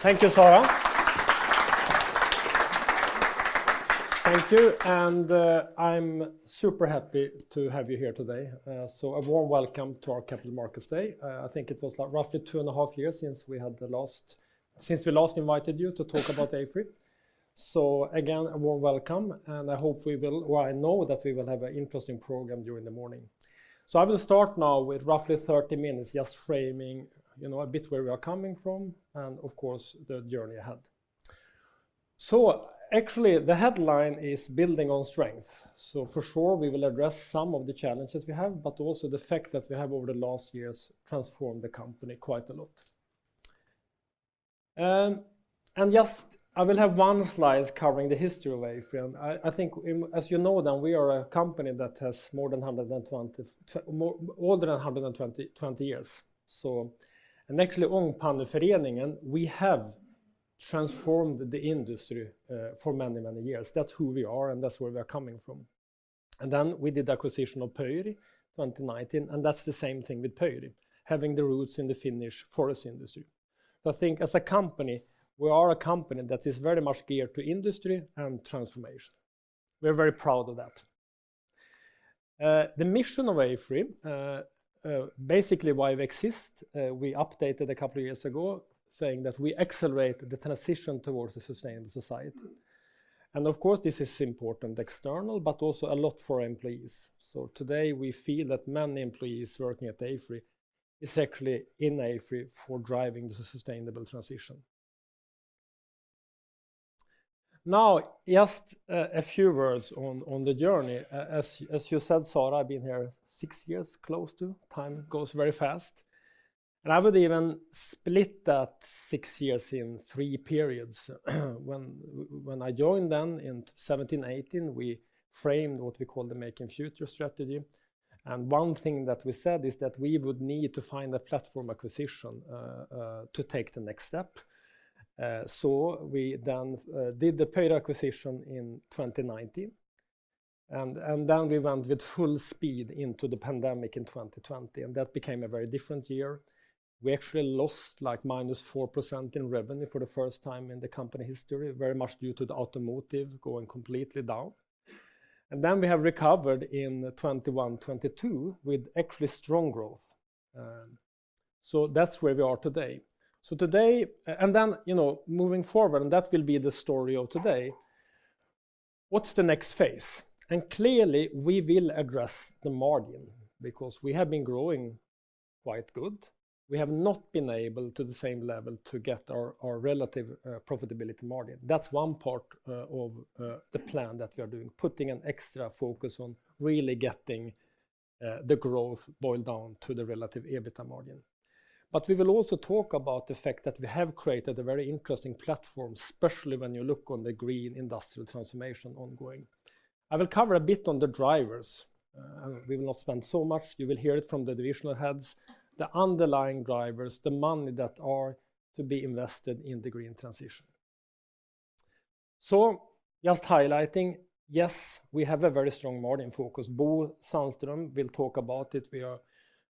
Thank you, Sara. Thank you, and I'm super happy to have you here today. So a warm welcome to our Capital Markets Day. I think it was roughly two and a half years since we last invited you to talk about AFRY. So again, a warm welcome, and I hope we will, or I know that we will have an interesting program during the morning. So I will start now with roughly 30 minutes, just framing, you know, a bit where we are coming from and, of course, the journey ahead. So actually, the headline is "Building on Strength." So for sure, we will address some of the challenges we have, but also the fact that we have over the last years transformed the company quite a lot. And just I will have one slide covering the history of AFRY. I think, as you know, we are a company that has more than 120 years. Older than 120 years. So, actually Ångpanneföreningen we have transformed the industry for many, many years. That's who we are, and that's where we are coming from. Then we did the acquisition of Pöyry 2019, and that's the same thing with Pöyry, having the roots in the Finnish forest industry. So I think as a company, we are a company that is very much geared to industry and transformation. We are very proud of that. The mission of AFRY, basically why we exist, we updated a couple of years ago, saying that we accelerate the transition towards a sustainable society. Of course, this is important externally, but also a lot for employees. Today we feel that many employees working at AFRY is actually in AFRY for driving the sustainable transition. Now, just a few words on the journey. As you said, Sara, I've been here six years, close to. Time goes very fast, and I would even split that six years in three periods. When I joined then in 2017, 2018, we framed what we called the Making Future strategy. And one thing that we said is that we would need to find a platform acquisition to take the next step. So we then did the Pöyry acquisition in 2019. And then we went with full speed into the pandemic in 2020, and that became a very different year. We actually lost like -4% in revenue for the first time in the company history, very much due to the automotive going completely down. And then we have recovered in 2021, 2022 with actually strong growth. So that's where we are today. So today, and then, you know, moving forward, and that will be the story of today. What's the next phase? And clearly, we will address the margin because we have been growing quite good. We have not been able to the same level to get our relative profitability margin. That's one part of the plan that we are doing, putting an extra focus on really getting the growth boiled down to the relative EBITDA margin. But we will also talk about the fact that we have created a very interesting platform, especially when you look on the green industrial transformation ongoing. I will cover a bit on the drivers. We will not spend so much. You will hear it from the divisional heads, the underlying drivers, the money that are to be invested in the green transition. Just highlighting, yes, we have a very strong margin focus. Bo Sandström will talk about it.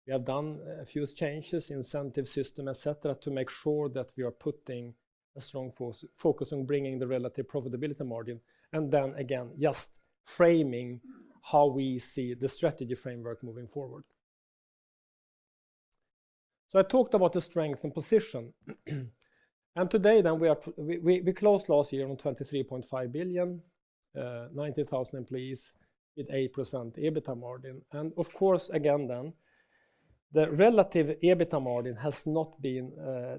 We have done a few changes, incentive system, et cetera, to make sure that we are putting a strong focus on bringing the relative profitability margin. Then again, just framing how we see the strategy framework moving forward. I talked about the strength and position. Today then we closed last year on 23.5 billion, 90,000 employees with 8% EBITDA margin. Of course, again then, the relative EBITDA margin has not been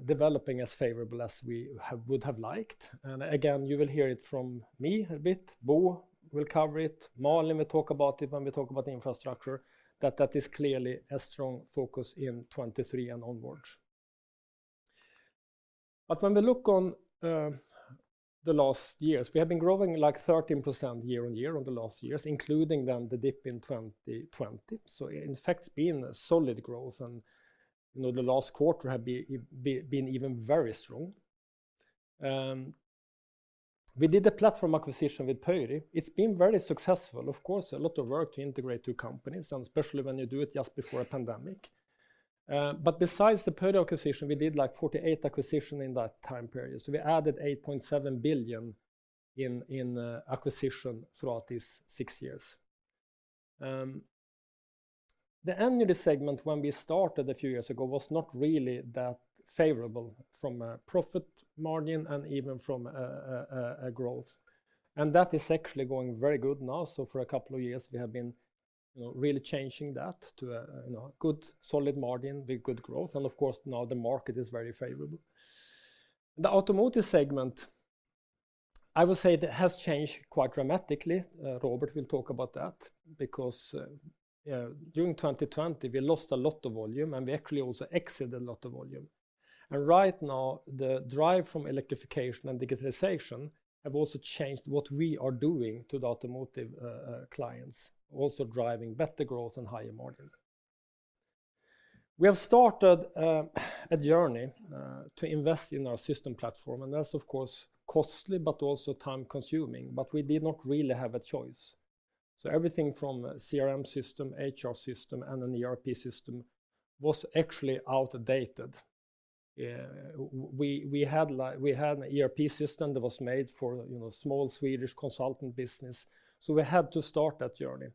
developing as favorable as we would have liked. Again, you will hear it from me a bit. Bo will cover it. Malin will talk about it when we talk about infrastructure. That is clearly a strong focus in 2023 and onwards, but when we look on the last years, we have been growing like 13% year on year on the last years, including then the dip in 2020. So in fact, it's been a solid growth, and, you know, the last quarter had been even very strong. We did a platform acquisition with Pöyry. It's been very successful, of course. A lot of work to integrate two companies, and especially when you do it just before a pandemic, but besides the Pöyry acquisition, we did like 48 acquisitions in that time period. So we added 8.7 billion in acquisition throughout these six years. The energy segment, when we started a few years ago, was not really that favorable from a profit margin and even from a growth, and that is actually going very good now. So for a couple of years, we have been, you know, really changing that to a, you know, good solid margin with good growth. And of course, now the market is very favorable. The automotive segment, I would say, has changed quite dramatically. Robert will talk about that because during 2020, we lost a lot of volume and we actually also exited a lot of volume. And right now, the drive from electrification and digitalization have also changed what we are doing to the automotive clients, also driving better growth and higher margin. We have started a journey to invest in our system platform, and that's of course costly, but also time-consuming. But we did not really have a choice. So everything from a CRM system, HR system, and an ERP system was actually outdated. We had an ERP system that was made for, you know, small Swedish consultant business, so we had to start that journey,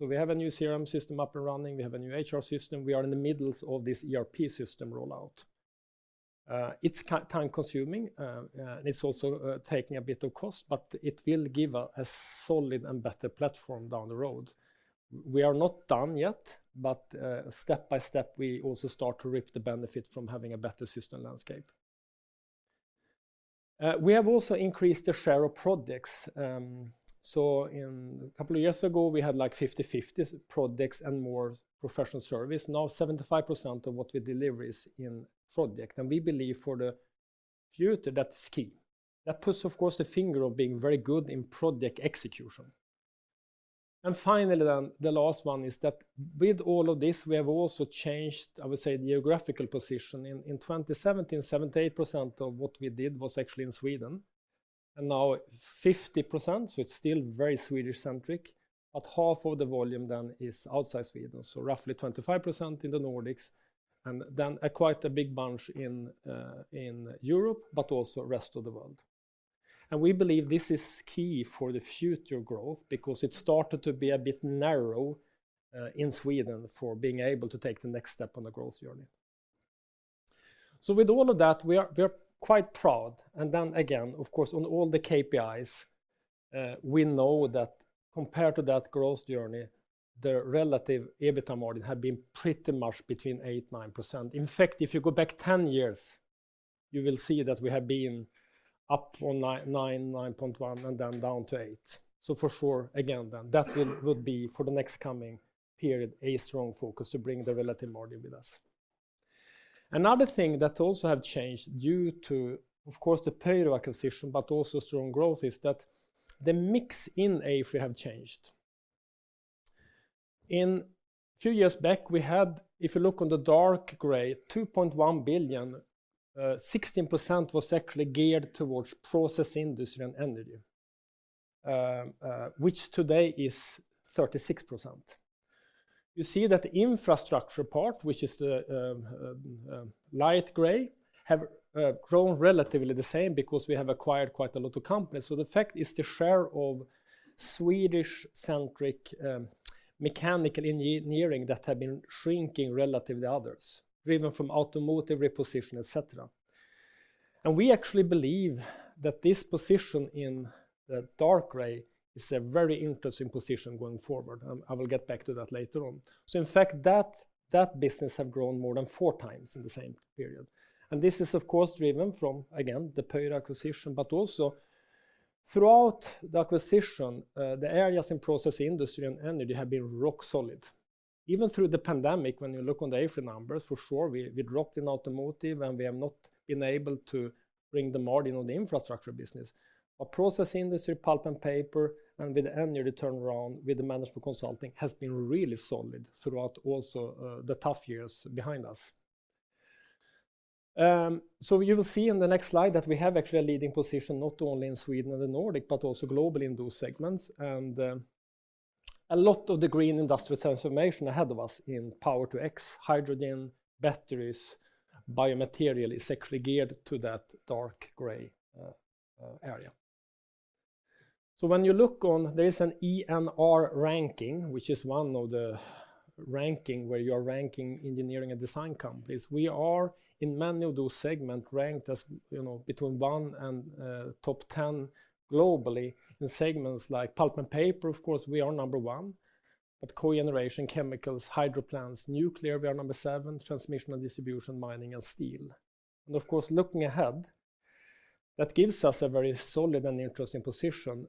so we have a new CRM system up and running. We have a new HR system. We are in the middle of this ERP system rollout. It's time-consuming, and it's also taking a bit of cost, but it will give us a solid and better platform down the road. We are not done yet, but step by step, we also start to reap the benefit from having a better system landscape. We have also increased the share of products, so a couple of years ago, we had like 50-50 projects and more professional service. Now 75% of what we deliver is in product, and we believe for the future that's key. That puts, of course, the finger on being very good in product execution. And finally then, the last one is that with all of this, we have also changed, I would say, the geographical position. In 2017, 78% of what we did was actually in Sweden. And now 50%, so it's still very Swedish-centric, but half of the volume then is outside Sweden. So roughly 25% in the Nordics, and then quite a big bunch in Europe, but also the rest of the world. And we believe this is key for the future growth because it started to be a bit narrow in Sweden for being able to take the next step on the growth journey. So with all of that, we are quite proud. And then again, of course, on all the KPIs, we know that compared to that growth journey, the relative EBITDA margin had been pretty much between 8%-9%. In fact, if you go back 10 years, you will see that we have been up on 9-9.1 and then down to 8. So for sure, again, then that would be for the next coming period, a strong focus to bring the relative margin with us. Another thing that also has changed due to, of course, the Pöyry acquisition, but also strong growth, is that the mix in AFRY have changed. In a few years back, we had, if you look on the dark gray, 2.1 billion, 16% was actually geared towards process industry and energy, which today is 36%. You see that the infrastructure part, which is the light gray, has grown relatively the same because we have acquired quite a lot of companies. So the fact is the share of Swedish-centric mechanical engineering that has been shrinking relative to others, driven from automotive repositioning, et cetera. We actually believe that this position in the dark gray is a very interesting position going forward. I will get back to that later on. In fact, that business has grown more than four times in the same period. This is, of course, driven from, again, the Pöyry acquisition, but also throughout the acquisition, the areas in process industry and energy have been rock solid. Even through the pandemic, when you look on the AFRY numbers, for sure, we dropped in automotive and we have not been able to bring the margin on the infrastructure business. Process industry, pulp and paper, and with energy turnaround, with the management consulting, has been really solid throughout also the tough years behind us. So you will see in the next slide that we have actually a leading position not only in Sweden and the Nordics, but also globally in those segments. And a lot of the green industrial transformation ahead of us in power-to-X, hydrogen, batteries, biomaterial is actually geared to that dark gray area. So when you look on, there is an ENR ranking, which is one of the rankings where you are ranking engineering and design companies. We are in many of those segments ranked as, you know, between one and top 10 globally in segments like pulp and paper. Of course, we are number one, but cogeneration, chemicals, hydro plants, nuclear, we are number seven, transmission and distribution, mining, and steel. Of course, looking ahead, that gives us a very solid and interesting position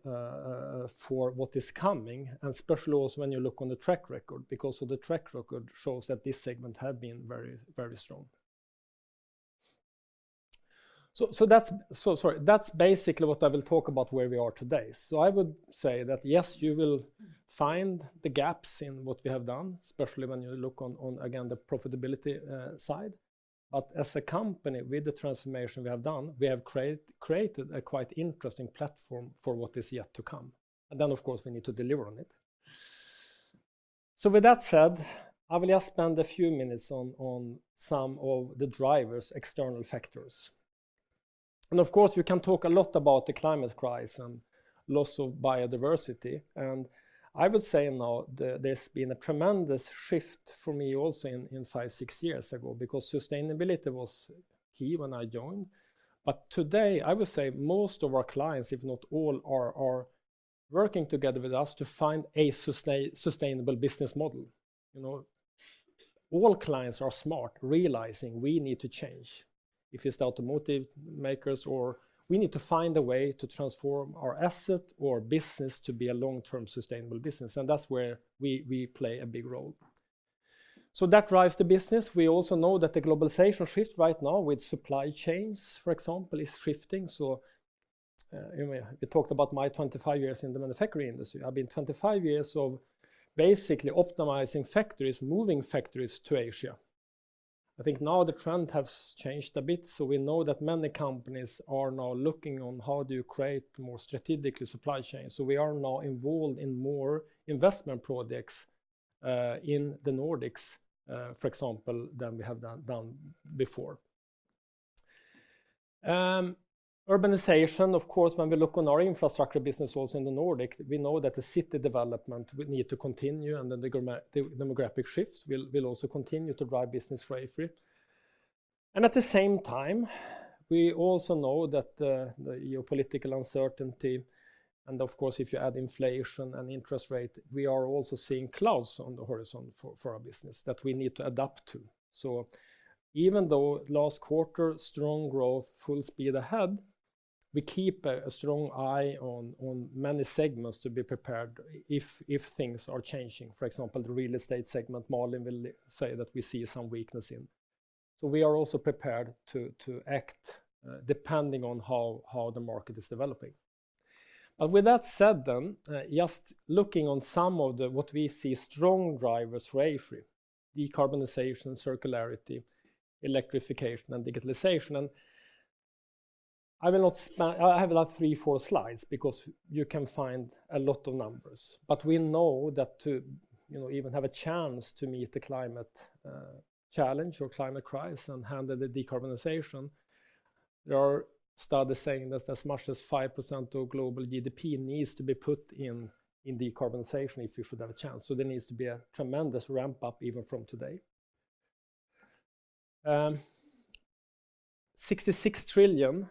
for what is coming, and especially also when you look on the track record, because the track record shows that this segment has been very, very strong. That's, sorry, that's basically what I will talk about where we are today. I would say that yes, you will find the gaps in what we have done, especially when you look on, again, the profitability side. As a company with the transformation we have done, we have created a quite interesting platform for what is yet to come. Of course, we need to deliver on it. With that said, I will just spend a few minutes on some of the drivers, external factors. Of course, we can talk a lot about the climate crisis and loss of biodiversity. I would say now there's been a tremendous shift for me also in five, six years ago because sustainability was key when I joined. Today, I would say most of our clients, if not all, are working together with us to find a sustainable business model. You know, all clients are smart, realizing we need to change. If it's the automotive makers, or we need to find a way to transform our asset or business to be a long-term sustainable business. That's where we play a big role. That drives the business. We also know that the globalization shift right now with supply chains, for example, is shifting. We talked about my 25 years in the manufacturing industry. I've been 25 years of basically optimizing factories, moving factories to Asia. I think now the trend has changed a bit. So we know that many companies are now looking on how do you create more strategically supply chains. So we are now involved in more investment projects in the Nordics, for example, than we have done before. Urbanization, of course, when we look on our infrastructure business also in the Nordics, we know that the city development we need to continue and then the demographic shift will also continue to drive business for AFRY. And at the same time, we also know that the geopolitical uncertainty and of course, if you add inflation and interest rate, we are also seeing clouds on the horizon for our business that we need to adapt to. So even though last quarter, strong growth, full speed ahead, we keep a strong eye on many segments to be prepared if things are changing. For example, the real estate segment, Malin will say that we see some weakness in. So we are also prepared to act depending on how the market is developing, but with that said then, just looking on some of the what we see strong drivers for AFRY, decarbonization, circularity, electrification, and digitalization, and I will not spend, I have like three, four slides because you can find a lot of numbers, but we know that to, you know, even have a chance to meet the climate challenge or climate crisis and handle the decarbonization, there are studies saying that as much as 5% of global GDP needs to be put in decarbonization if you should have a chance. So there needs to be a tremendous ramp up even from today, $66 trillion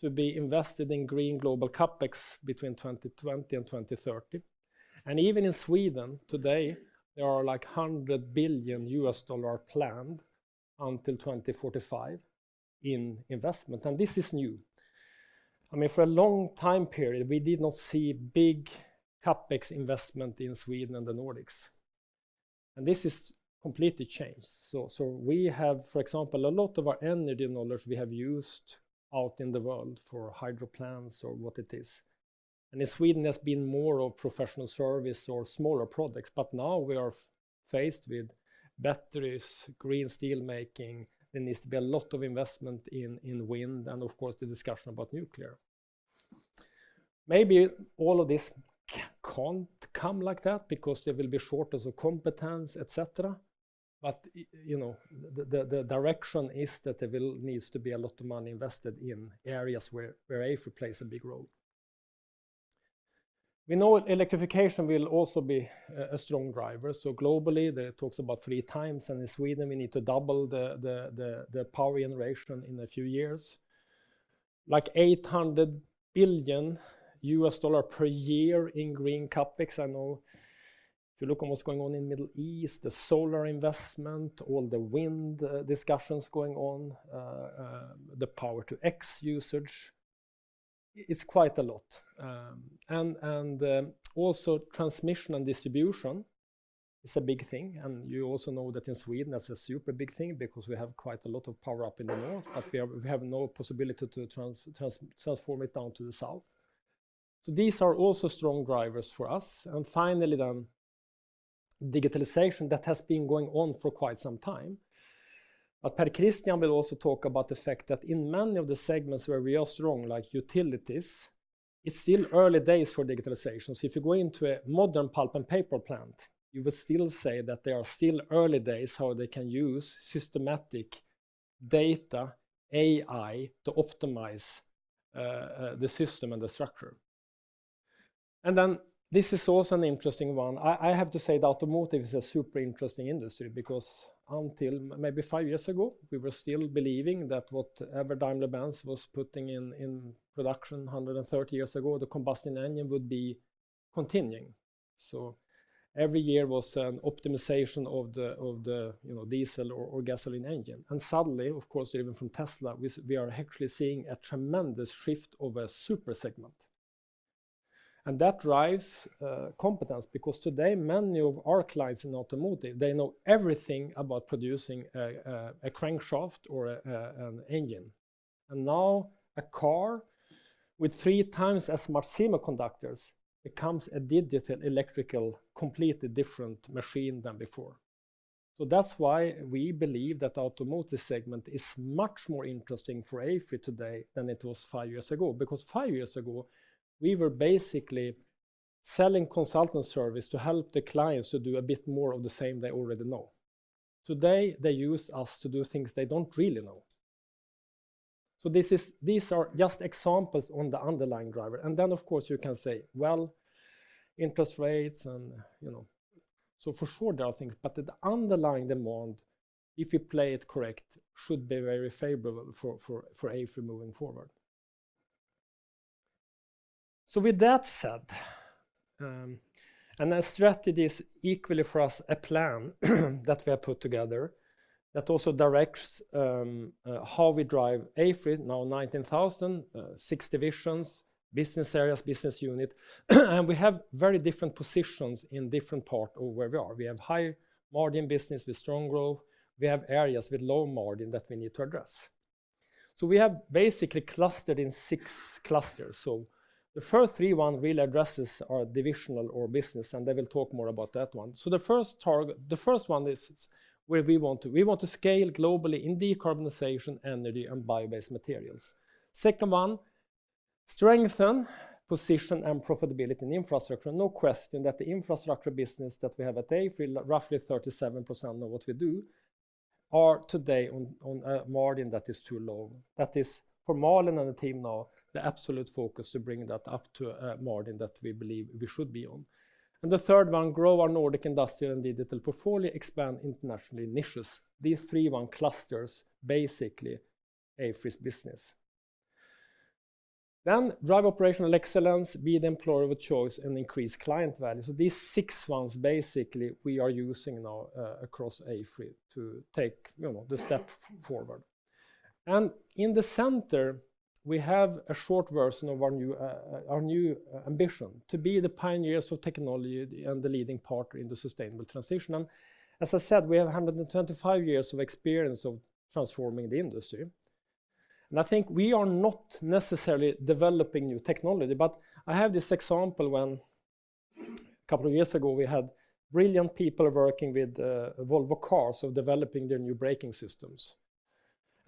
to be invested in green global CapEx between 2020 and 2030. And even in Sweden today, there are like $100 billion planned until 2045 in investment. And this is new. I mean, for a long time period, we did not see big CapEx investment in Sweden and the Nordics. And this is completely changed. So we have, for example, a lot of our energy knowledge we have used out in the world for hydro plants or what it is. And in Sweden, there's been more of professional service or smaller projects. But now we are faced with batteries, green steelmaking. There needs to be a lot of investment in wind and of course the discussion about nuclear. Maybe all of this can't come like that because there will be shortage of competence, et cetera. But you know, the direction is that there needs to be a lot of money invested in areas where AFRY plays a big role. We know electrification will also be a strong driver. So globally, there are talks about three times. And in Sweden, we need to double the power generation in a few years. Like $800 billion per year in green CapEx. I know if you look on what's going on in the Middle East, the solar investment, all the wind discussions going on, the Power-to-X usage, it's quite a lot. And also transmission and distribution is a big thing. And you also know that in Sweden, that's a super big thing because we have quite a lot of power up in the north, but we have no possibility to transform it down to the south. So these are also strong drivers for us. And finally then, digitalization that has been going on for quite some time. But Per-Kristian will also talk about the fact that in many of the segments where we are strong, like utilities, it's still early days for digitalization. So if you go into a modern pulp and paper plant, you would still say that there are still early days how they can use systematic data, AI to optimize the system and the structure. And then this is also an interesting one. I have to say that automotive is a super interesting industry because until maybe five years ago, we were still believing that what ever Daimler-Benz was putting in production 130 years ago, the combustion engine would be continuing. So every year was an optimization of the, you know, diesel or gasoline engine. And suddenly, of course, driven from Tesla, we are actually seeing a tremendous shift of a super segment. And that drives competence because today many of our clients in automotive, they know everything about producing a crankshaft or an engine. And now a car with three times as much semiconductors becomes a digital electrical completely different machine than before. So that's why we believe that the automotive segment is much more interesting for AFRY today than it was five years ago. Because five years ago, we were basically selling consultant service to help the clients to do a bit more of the same they already know. Today, they use us to do things they don't really know. So these are just examples on the underlying driver. And then, of course, you can say, well, interest rates and, you know, so for sure there are things, but the underlying demand, if you play it correct, should be very favorable for AFRY moving forward. So with that said, and as strategies equally for us, a plan that we have put together that also directs how we drive AFRY now, 19,000, six divisions, business areas, business units, and we have very different positions in different parts of where we are. We have high margin business with strong growth. We have areas with low margin that we need to address, so we have basically clustered in six clusters, so the first three ones really address our divisional or business, and they will talk more about that one, so the first target, the first one, is where we want to scale globally in decarbonization, energy, and bio-based materials. Second one, strengthen position and profitability in infrastructure. No question that the infrastructure business that we have at AFRY, roughly 37% of what we do, are today on a margin that is too low. That is for Malin and the team now, the absolute focus to bring that up to a margin that we believe we should be on. The third one is to grow our Nordic industrial and digital portfolio and expand internationally in niches. These three main clusters basically form AFRY's business. Then drive operational excellence, be the employer of choice, and increase client value. These six ones basically we are using now across AFRY to take, you know, the step forward. In the center, we have a short version of our new ambition to be the pioneers of technology and the leading partner in the sustainable transition. As I said, we have 125 years of experience of transforming the industry. I think we are not necessarily developing new technology, but I have this example when a couple of years ago we had brilliant people working with Volvo Cars of developing their new braking systems.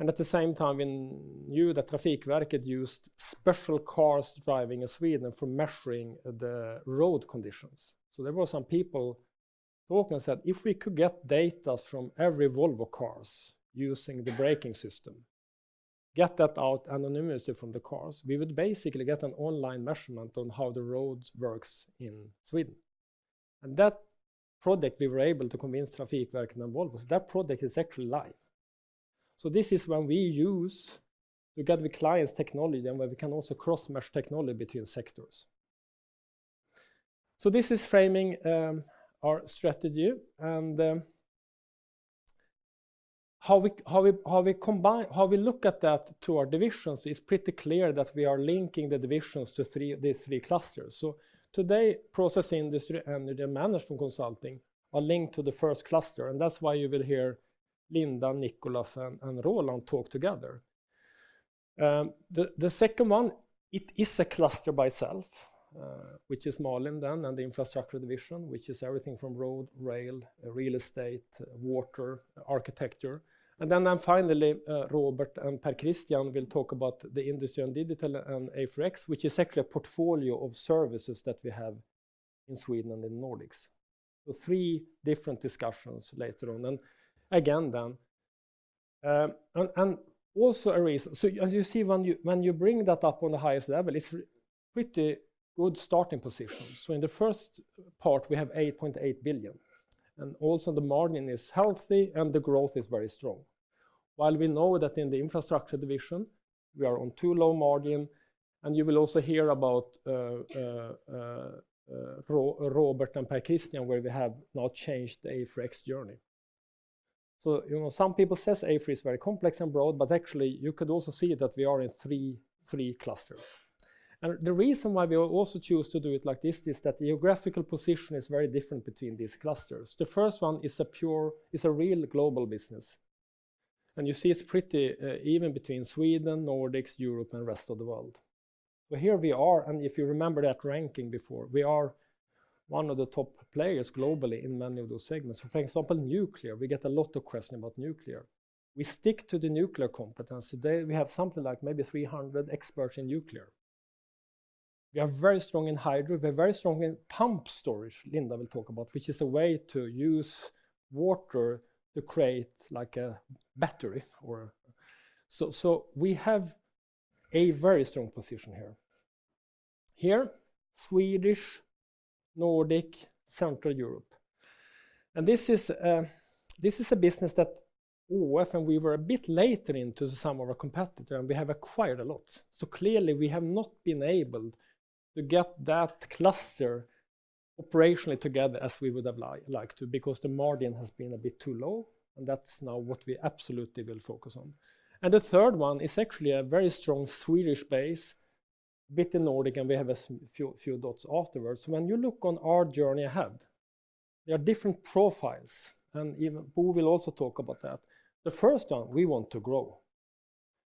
At the same time, we knew that Trafikverket used special cars driving in Sweden for measuring the road conditions. There were some people talking and said, if we could get data from every Volvo cars using the braking system, get that out anonymously from the cars, we would basically get an online measurement on how the road works in Sweden. That project we were able to convince Trafikverket and Volvo. That project is actually live. This is when we use together with clients technology and where we can also cross-mesh technology between sectors. So, this is framing our strategy and how we combine, how we look at that to our divisions. It is pretty clear that we are linking the divisions to these three clusters. So today, process industry and energy management consulting are linked to the first cluster. And that's why you will hear Linda, Nicholas, and Roland talk together. The second one, it is a cluster by itself, which is Malin, then, and the infrastructure division, which is everything from road, rail, real estate, water, architecture. And then finally, Robert and Per-Kristian will talk about the industry and digital and AFRY X, which is actually a portfolio of services that we have in Sweden and in the Nordics. So three different discussions later on. And again then, and also a reason, so as you see when you bring that up on the highest level, it's a pretty good starting position. So in the first part, we have 8.8 billion. And also the margin is healthy and the growth is very strong. While we know that in the infrastructure division, we are on too low margin. And you will also hear about Robert and Per-Kristian, where we have now changed the AFRY X journey. So you know, some people say AFRY is very complex and broad, but actually you could also see that we are in three clusters. And the reason why we also choose to do it like this is that the geographical position is very different between these clusters. The first one is a real global business. And you see it's pretty even between Sweden, Nordics, Europe, and the rest of the world. So here we are. And if you remember that ranking before, we are one of the top players globally in many of those segments. For example, nuclear, we get a lot of questions about nuclear. We stick to the nuclear competence. Today, we have something like maybe 300 experts in nuclear. We are very strong in hydro. We are very strong in pumped storage, Linda will talk about, which is a way to use water to create like a battery. So we have a very strong position here. Here, Swedish, Nordic, Central Europe. And this is a business that ÅF and we were a bit later into some of our competitor and we have acquired a lot. So clearly we have not been able to get that cluster operationally together as we would have liked to because the margin has been a bit too low. And that's now what we absolutely will focus on. And the third one is actually a very strong Swedish base, a bit in Nordic, and we have a few dots afterwards. So when you look on our journey ahead, there are different profiles. And even Bo will also talk about that. The first one, we want to grow.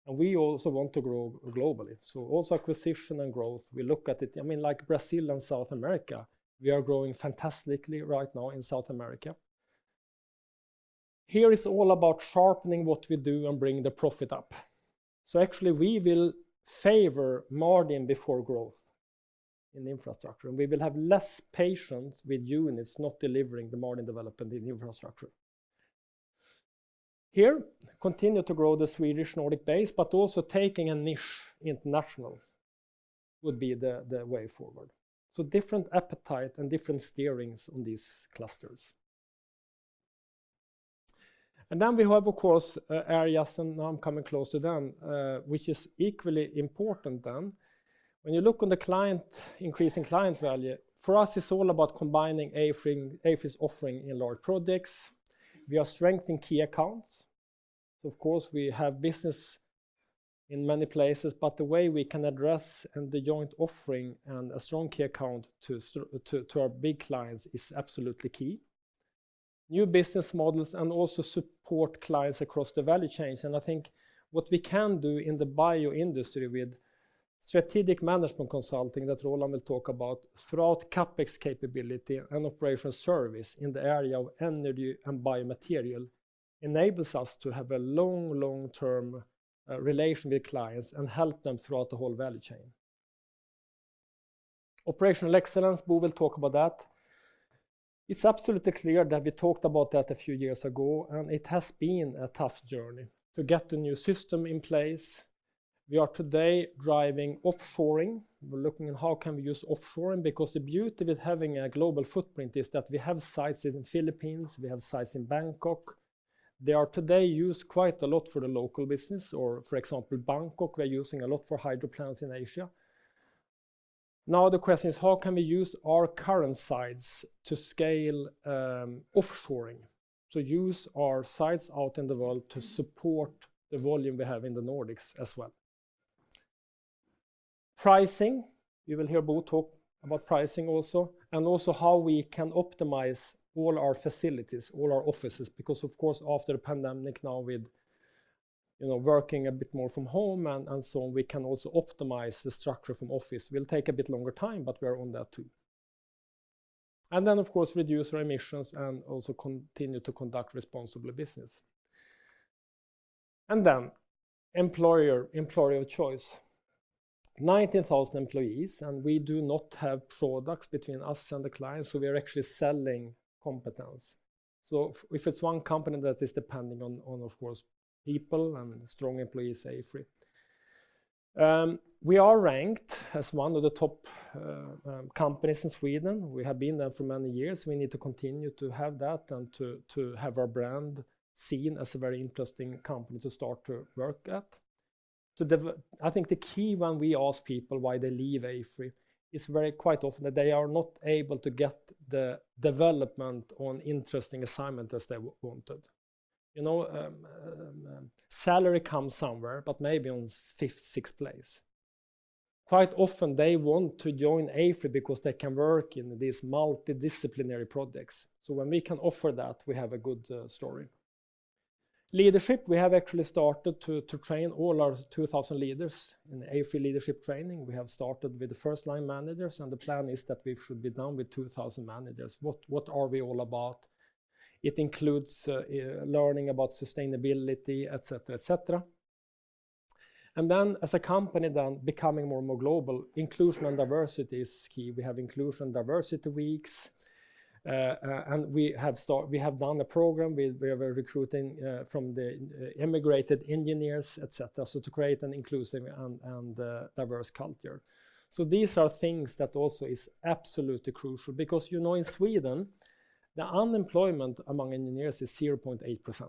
And we also want to grow globally. So also acquisition and growth, we look at it. I mean, like Brazil and South America, we are growing fantastically right now in South America. Here it's all about sharpening what we do and bring the profit up. So actually we will favor margin before growth in infrastructure. And we will have less patience with units not delivering the margin development in infrastructure. Here, continue to grow the Swedish Nordic base, but also taking a niche international would be the way forward. So different appetite and different steerings on these clusters. And then we have, of course, areas, and now I'm coming close to them, which is equally important then. When you look on the client, increasing client value, for us it's all about combining AFRY's offering in large projects. We are strengthening key accounts. So of course we have business in many places, but the way we can address and the joint offering and a strong key account to our big clients is absolutely key. New business models and also support clients across the value chain. And I think what we can do in the bio industry with strategic management consulting that Roland will talk about, throughout CapEx capability and operational service in the area of energy and biomaterial enables us to have a long, long-term relation with clients and help them throughout the whole value chain. Operational excellence, Bo will talk about that. It's absolutely clear that we talked about that a few years ago, and it has been a tough journey to get a new system in place. We are today driving offshoring. We're looking at how can we use offshoring because the beauty with having a global footprint is that we have sites in the Philippines. We have sites in Bangkok. They are today used quite a lot for the local business, or for example, Bangkok, we're using a lot for hydro plants in Asia. Now the question is how can we use our current sites to scale offshoring, so use our sites out in the world to support the volume we have in the Nordics as well. Pricing, you will hear Bo talk about pricing also, and also how we can optimize all our facilities, all our offices, because of course after the pandemic now with, you know, working a bit more from home and so on, we can also optimize the structure from office. We'll take a bit longer time, but we're on that too. And then of course reduce our emissions and also continue to conduct responsible business. And then employer, employer of choice. 19,000 employees, and we do not have products between us and the clients, so we are actually selling competence. So if it's one company that is depending on, of course, people and strong employees, AFRY. We are ranked as one of the top companies in Sweden. We have been there for many years. We need to continue to have that and to have our brand seen as a very interesting company to start to work at. I think the key when we ask people why they leave AFRY is quite often that they are not able to get the development on interesting assignment as they wanted. You know, salary comes somewhere, but maybe on fifth, sixth place. Quite often they want to join AFRY because they can work in these multidisciplinary projects. So when we can offer that, we have a good story. Leadership, we have actually started to train all our 2,000 leaders in AFRY leadership training. We have started with the first line managers, and the plan is that we should be done with 2,000 managers. What are we all about? It includes learning about sustainability, et cetera, et cetera. And then, as a company then becoming more and more global, inclusion and diversity is key. We have inclusion and diversity weeks, and we have done a program. We have a recruiting from the immigrant engineers, et cetera, so to create an inclusive and diverse culture. So these are things that also is absolutely crucial because you know, in Sweden, the unemployment among engineers is 0.8%.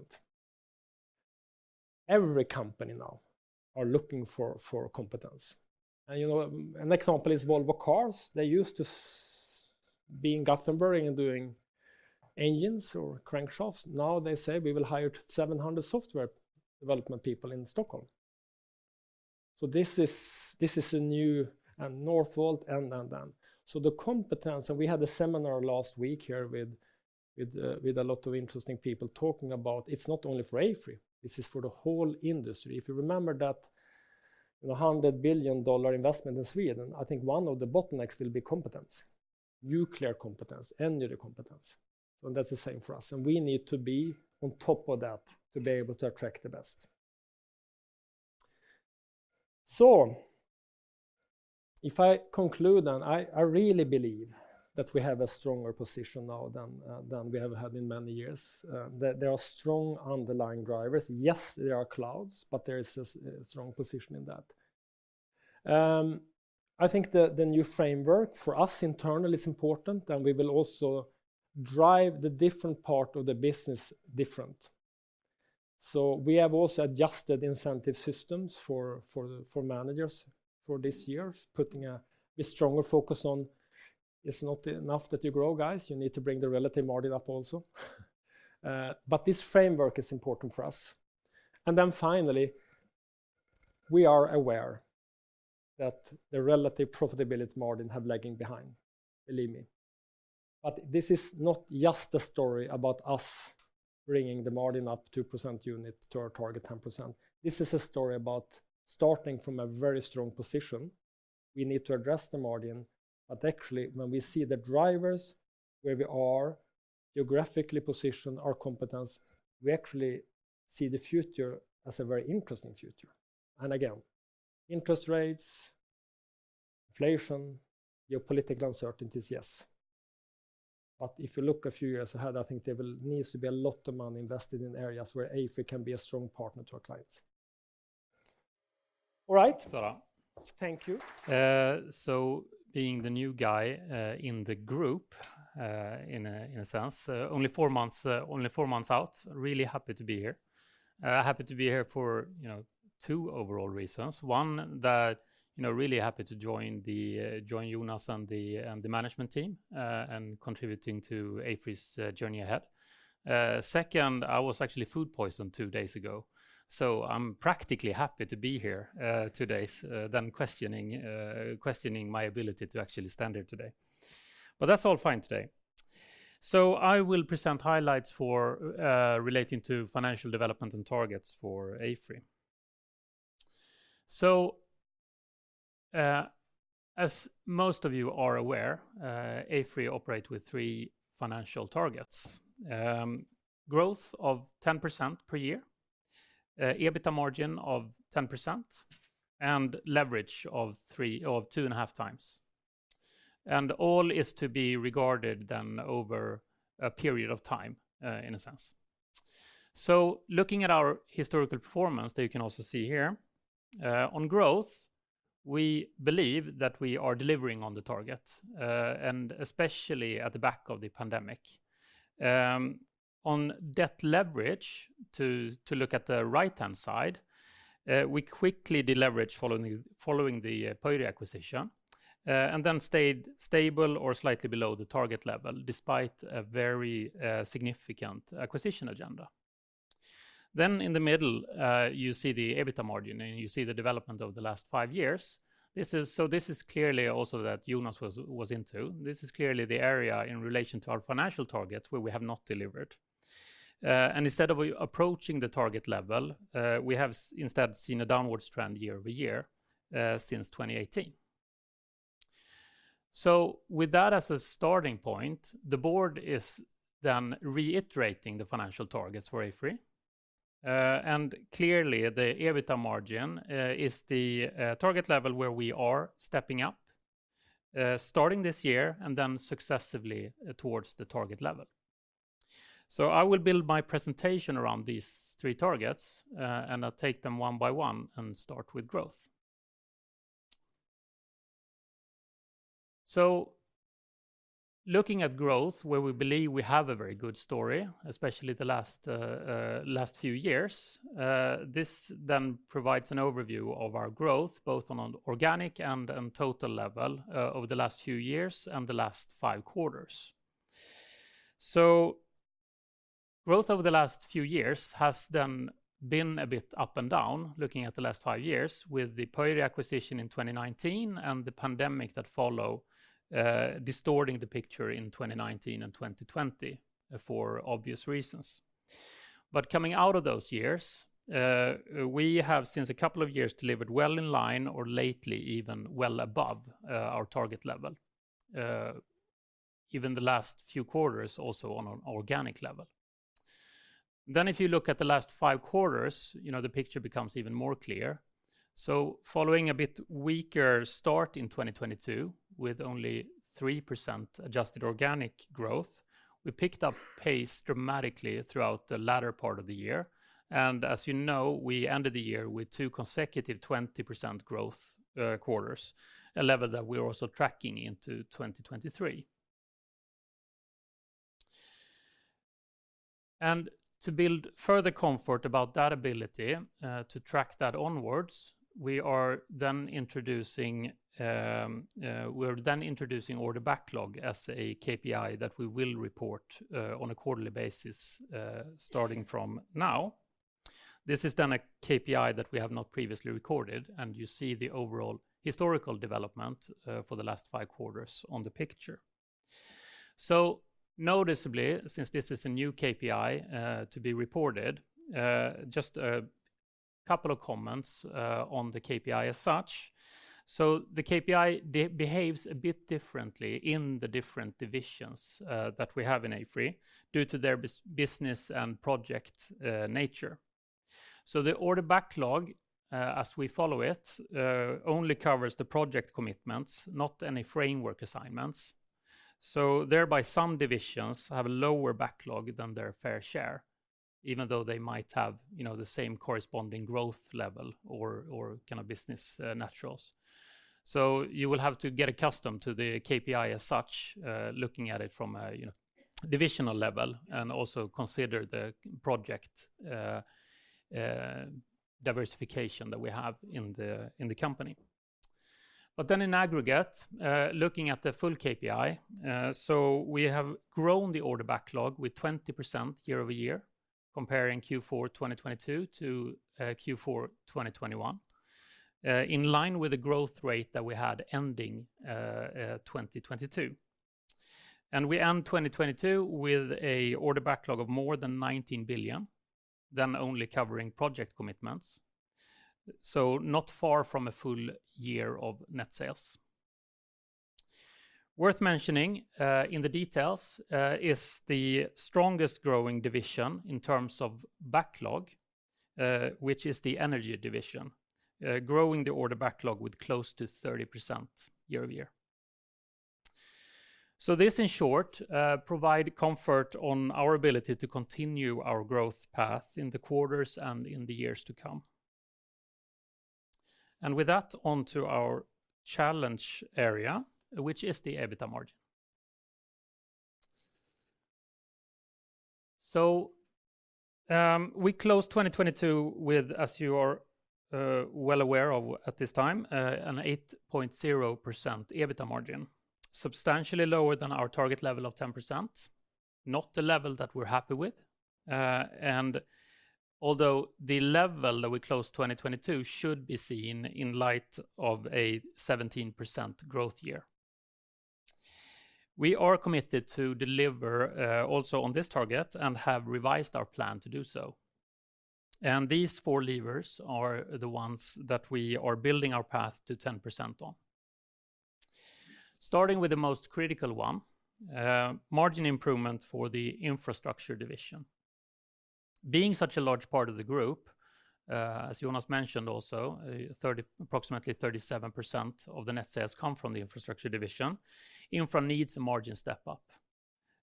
Every company now are looking for competence. And you know, an example is Volvo Cars. They used to be in Gothenburg and doing engines or crankshafts. Now they say we will hire 700 software development people in Stockholm. So this is a new and Northvolt and then. So the competence, and we had a seminar last week here with a lot of interesting people talking about it's not only for AFRY. This is for the whole industry. If you remember that, you know, $100 billion investment in Sweden, I think one of the bottlenecks will be competence, nuclear competence, energy competence, and that's the same for us, and we need to be on top of that to be able to attract the best, so if I conclude then, I really believe that we have a stronger position now than we have had in many years. There are strong underlying drivers. Yes, there are clouds, but there is a strong position in that. I think the new framework for us internally is important, and we will also drive the different part of the business different, so we have also adjusted incentive systems for managers for this year, putting a stronger focus on. It's not enough that you grow, guys. You need to bring the relative margin up also, but this framework is important for us. And then finally, we are aware that the relative profitability margin have lagging behind, believe me. But this is not just a story about us bringing the margin up 2% unit to our target 10%. This is a story about starting from a very strong position. We need to address the margin, but actually when we see the drivers, where we are, geographically position our competence, we actually see the future as a very interesting future. And again, interest rates, inflation, geopolitical uncertainties, yes. But if you look a few years ahead, I think there needs to be a lot of money invested in areas where AFRY can be a strong partner to our clients. All right. Thank you. Being the new guy in the group in a sense, only four months out, really happy to be here. Happy to be here for, you know, two overall reasons. One that, you know, really happy to join the Jonas and the management team and contributing to AFRY's journey ahead. Second, I was actually food poisoned two days ago. I'm practically happy to be here today than questioning my ability to actually stand here today. But that's all fine today. I will present highlights relating to financial development and targets for AFRY. As most of you are aware, AFRY operates with three financial targets: growth of 10% per year, EBITDA margin of 10%, and leverage of two and a half times. All is to be regarded then over a period of time in a sense. So looking at our historical performance that you can also see here, on growth, we believe that we are delivering on the target, and especially at the back of the pandemic. On debt leverage, to look at the right-hand side, we quickly deleveraged following the Pöyry acquisition and then stayed stable or slightly below the target level despite a very significant acquisition agenda. Then in the middle, you see the EBITDA margin and you see the development of the last five years. So this is clearly also that Jonas was into. This is clearly the area in relation to our financial targets where we have not delivered. And instead of approaching the target level, we have instead seen a downward trend year over year since 2018. So with that as a starting point, the board is then reiterating the financial targets for AFRY. And clearly the EBITDA margin is the target level where we are stepping up, starting this year and then successively towards the target level. So I will build my presentation around these three targets and I'll take them one by one and start with growth. So looking at growth where we believe we have a very good story, especially the last few years, this then provides an overview of our growth both on an organic and total level over the last few years and the last five quarters. So growth over the last few years has then been a bit up and down looking at the last five years with the Pöyry acquisition in 2019 and the pandemic that followed distorting the picture in 2019 and 2020 for obvious reasons. Coming out of those years, we have since a couple of years delivered well in line or lately even well above our target level, even the last few quarters also on an organic level. Then if you look at the last five quarters, you know, the picture becomes even more clear. Following a bit weaker start in 2022 with only 3% adjusted organic growth, we picked up pace dramatically throughout the latter part of the year. As you know, we ended the year with two consecutive 20% growth quarters, a level that we are also tracking into 2023. To build further comfort about that ability to track that onwards, we are then introducing order backlog as a KPI that we will report on a quarterly basis starting from now. This is then a KPI that we have not previously recorded, and you see the overall historical development for the last five quarters on the picture. So noticeably, since this is a new KPI to be reported, just a couple of comments on the KPI as such. So the KPI behaves a bit differently in the different divisions that we have in AFRY due to their business and project nature. So the order backlog, as we follow it, only covers the project commitments, not any framework assignments. So thereby some divisions have a lower backlog than their fair share, even though they might have, you know, the same corresponding growth level or kind of business natures. So you will have to get accustomed to the KPI as such, looking at it from a, you know, divisional level and also consider the project diversification that we have in the company. But then, in aggregate, looking at the full KPI, so we have grown the order backlog with 20% year over year, comparing Q4 2022-Q4 2021, in line with the growth rate that we had ending 2022. And we end 2022 with an order backlog of more than 19 billion, then only covering project commitments. So not far from a full year of net sales. Worth mentioning in the details is the strongest growing division in terms of backlog, which is the energy division, growing the order backlog with close to 30% year over year. So this in short provides comfort on our ability to continue our growth path in the quarters and in the years to come. And with that, onto our challenge area, which is the EBITDA margin. So we closed 2022 with, as you are well aware of at this time, an 8.0% EBITDA margin, substantially lower than our target level of 10%, not the level that we're happy with. And although the level that we closed 2022 should be seen in light of a 17% growth year, we are committed to deliver also on this target and have revised our plan to do so. And these four levers are the ones that we are building our path to 10% on. Starting with the most critical one, margin improvement for the infrastructure division. Being such a large part of the group, as Jonas mentioned also, approximately 37% of the net sales come from the infrastructure division, Infra needs a margin step up.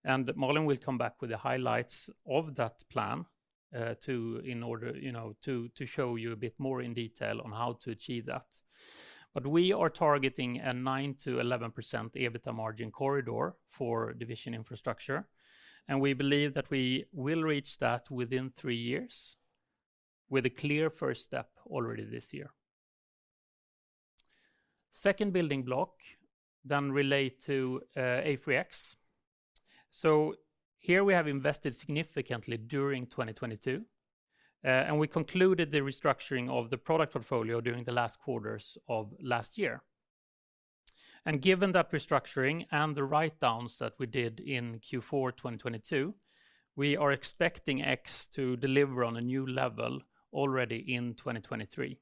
And Malin will come back with the highlights of that plan in order, you know, to show you a bit more in detail on how to achieve that. But we are targeting a 9%-11% EBITDA margin corridor for Division Infrastructure. And we believe that we will reach that within three years with a clear first step already this year. Second building block then relates to AFRY X. So here we have invested significantly during 2022, and we concluded the restructuring of the product portfolio during the last quarters of last year. And given that restructuring and the write-downs that we did in Q4 2022, we are expecting X to deliver on a new level already in 2023.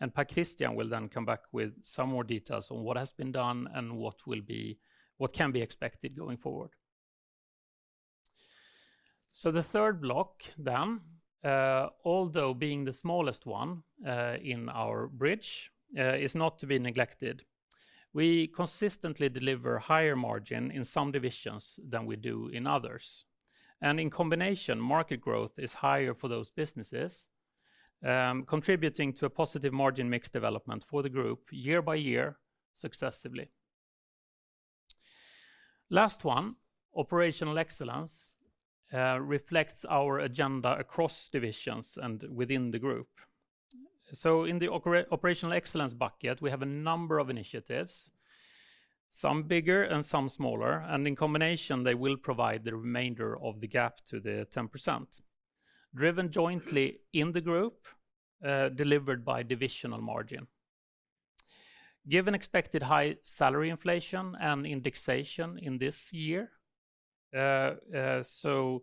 And Per-Kristian Halvorsen will then come back with some more details on what has been done and what can be expected going forward. So the third block then, although being the smallest one in our bridge, is not to be neglected. We consistently deliver higher margin in some divisions than we do in others. And in combination, market growth is higher for those businesses, contributing to a positive margin mix development for the group year by year successively. Last one, operational excellence reflects our agenda across divisions and within the group. So in the operational excellence bucket, we have a number of initiatives, some bigger and some smaller, and in combination, they will provide the remainder of the gap to the 10%, driven jointly in the group, delivered by divisional margin. Given expected high salary inflation and indexation in this year, so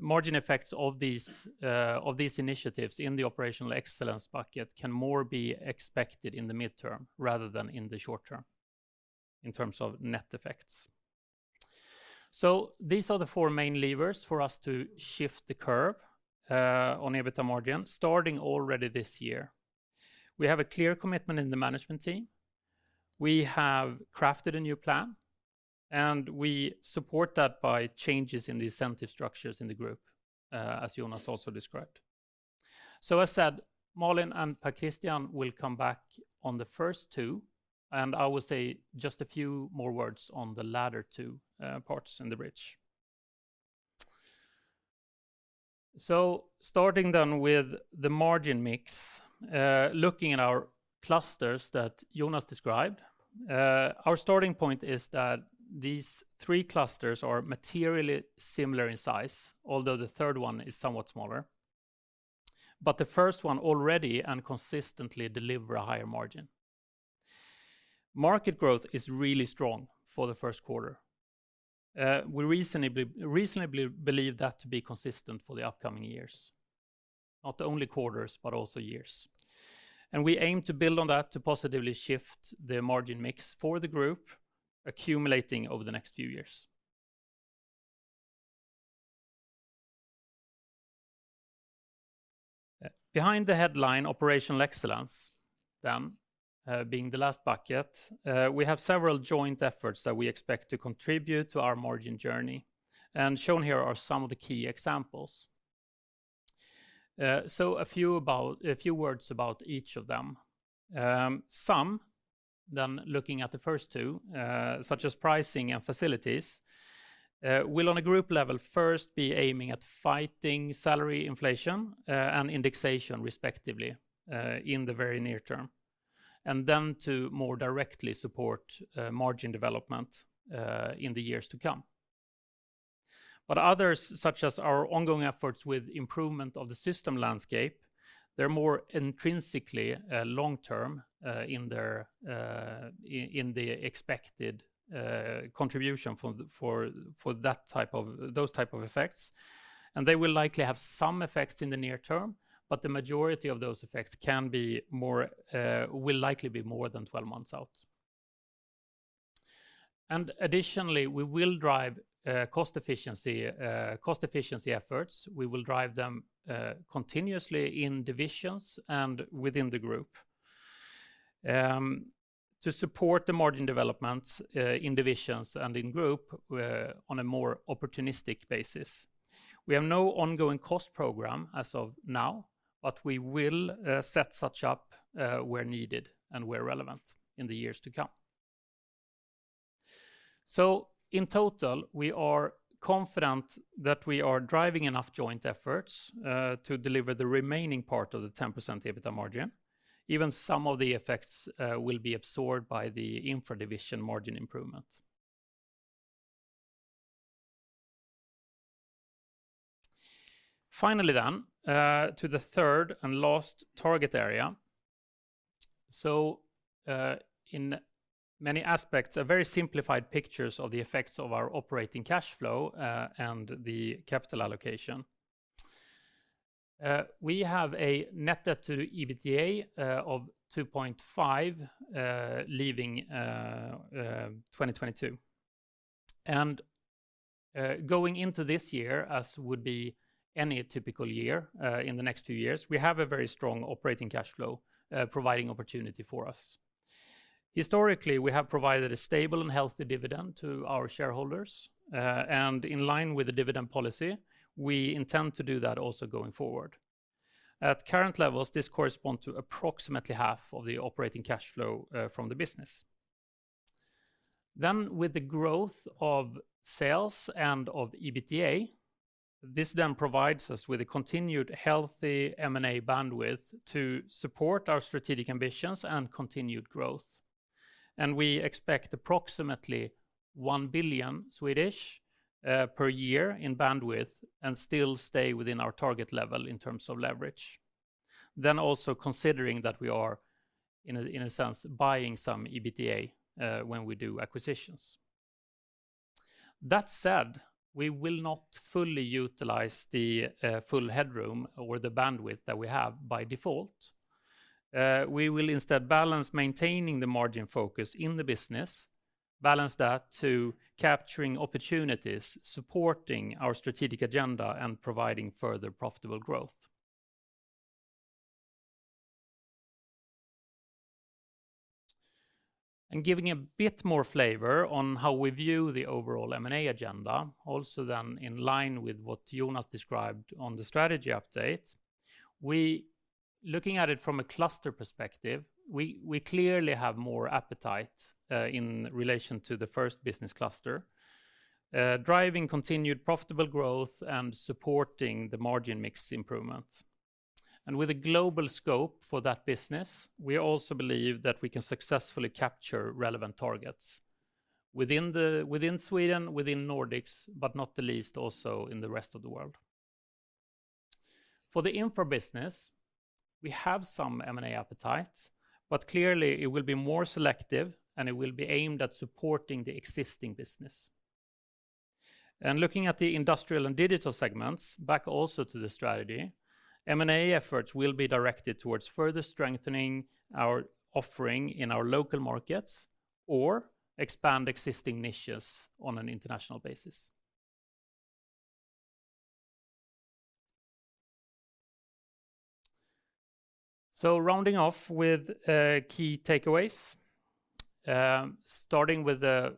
margin effects of these initiatives in the operational excellence bucket can more be expected in the midterm rather than in the short term in terms of net effects. These are the four main levers for us to shift the curve on EBITDA margin starting already this year. We have a clear commitment in the management team. We have crafted a new plan, and we support that by changes in the incentive structures in the group, as Jonas also described. As said, Malin and Per-Kristian will come back on the first two, and I will say just a few more words on the latter two parts in the bridge. Starting then with the margin mix, looking at our clusters that Jonas described, our starting point is that these three clusters are materially similar in size, although the third one is somewhat smaller. The first one already and consistently delivers a higher margin. Market growth is really strong for the first quarter. We reasonably believe that to be consistent for the upcoming years, not only quarters, but also years. And we aim to build on that to positively shift the margin mix for the group, accumulating over the next few years. Behind the headline operational excellence, then being the last bucket, we have several joint efforts that we expect to contribute to our margin journey. And shown here are some of the key examples. So a few words about each of them. Some, then looking at the first two, such as pricing and facilities, will on a group level first be aiming at fighting salary inflation and indexation respectively in the very near term, and then to more directly support margin development in the years to come. But others, such as our ongoing efforts with improvement of the system landscape, they're more intrinsically long-term in the expected contribution for those types of effects. And they will likely have some effects in the near term, but the majority of those effects can be more, will likely be more than 12 months out. And additionally, we will drive cost efficiency efforts. We will drive them continuously in divisions and within the group to support the margin development in divisions and in group on a more opportunistic basis. We have no ongoing cost program as of now, but we will set such up where needed and where relevant in the years to come. So in total, we are confident that we are driving enough joint efforts to deliver the remaining part of the 10% EBITDA margin. Even some of the effects will be absorbed by the Infra division margin improvement. Finally then, to the third and last target area, so in many aspects, a very simplified picture of the effects of our operating cash flow and the capital allocation. We have a net debt to EBITDA of 2.5 leaving 2022, and going into this year, as would be any typical year in the next few years, we have a very strong operating cash flow providing opportunity for us. Historically, we have provided a stable and healthy dividend to our shareholders, and in line with the dividend policy, we intend to do that also going forward. At current levels, this corresponds to approximately half of the operating cash flow from the business, then with the growth of sales and of EBITDA, this then provides us with a continued healthy M&A bandwidth to support our strategic ambitions and continued growth. And we expect approximately 1 billion per year in bandwidth and still stay within our target level in terms of leverage. Then also considering that we are, in a sense, buying some EBITDA when we do acquisitions. That said, we will not fully utilize the full headroom or the bandwidth that we have by default. We will instead balance maintaining the margin focus in the business, balance that to capturing opportunities, supporting our strategic agenda and providing further profitable growth. And giving a bit more flavor on how we view the overall M&A agenda, also then in line with what Jonas described on the strategy update, looking at it from a cluster perspective, we clearly have more appetite in relation to the first business cluster, driving continued profitable growth and supporting the margin mix improvement. With a global scope for that business, we also believe that we can successfully capture relevant targets within Sweden, within Nordics, but not the least also in the rest of the world. For the Infra business, we have some M&A appetite, but clearly it will be more selective and it will be aimed at supporting the existing business. Looking at the industrial and digital segments, back also to the strategy, M&A efforts will be directed towards further strengthening our offering in our local markets or expand existing niches on an international basis. Rounding off with key takeaways, starting with the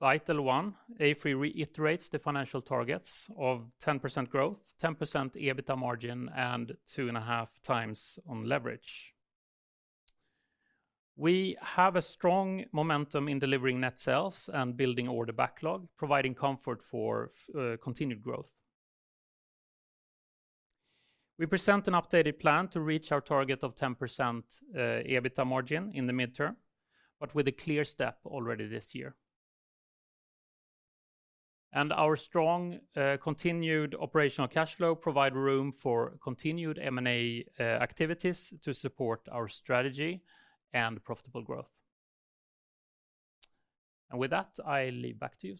vital one, AFRY reiterates the financial targets of 10% growth, 10% EBITDA margin, and 2.5 times on leverage. We have a strong momentum in delivering net sales and building order backlog, providing comfort for continued growth. We present an updated plan to reach our target of 10% EBITDA margin in the midterm, but with a clear step already this year. And our strong continued operational cash flow provides room for continued M&A activities to support our strategy and profitable growth. And with that, I leave back to you.